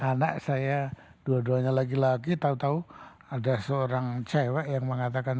karena saya dua duanya lagi lagi tau tau ada seorang cewek yang mengatakan